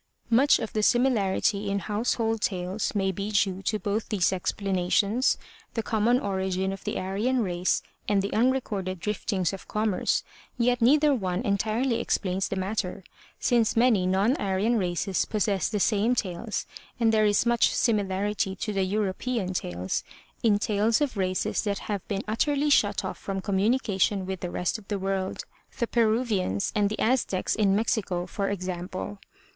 '' Much of the similarity in household tales may be due to both these explanations, the common origin of the Aryan race and the unrecorded driftings of commerce, yet neither one entirely explains the matter, since many non Aryan races possess the same tales and there is much similarity to the European tales in tales of races that have been utterly shut off from communication with the rest of the world, the Peruvians and the Aztecs in Mexico for example.